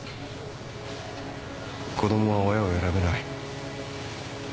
子供は親を選べない。